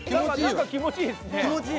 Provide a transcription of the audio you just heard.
なんか気持ちいいですね。